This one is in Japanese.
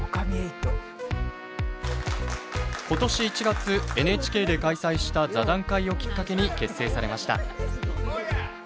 今年１月ＮＨＫで開催した座談会をきっかけに結成されました。